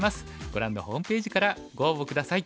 ご覧のホームページからご応募下さい。